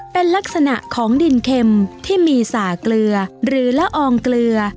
เป็นลักษณะของดินเข็มที่มีสาเกลือหรือละอองเกลือ